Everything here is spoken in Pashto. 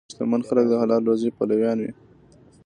شتمن خلک د حلال روزي پلویان وي.